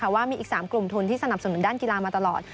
ว่ามีอีก๓กลุ่มทุนที่สนับสนุนด้านกีฬามาตลอด